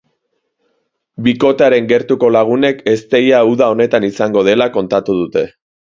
Bikotearen gertuko lagunek ezteia uda honetan izango dela kontatu dute.